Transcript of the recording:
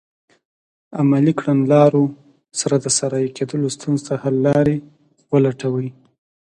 عملي کړنلارو سره د صحرایې کیدلو ستونزو ته حل لارې ولټوي.